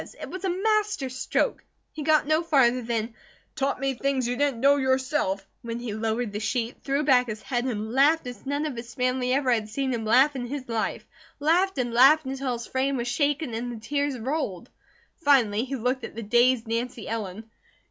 It was a master stroke. He got no farther than "taught me things you didn't know yourself," when he lowered the sheet, threw back his head and laughed as none of his family ever had seen him laugh in his life; laughed and laughed until his frame was shaken and the tears rolled. Finally he looked at the dazed Nancy Ellen.